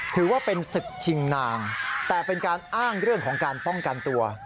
ถือว่าเป็นศึกชิงนางแต่เป็นการอ้างเรื่องของการป้องกันตัว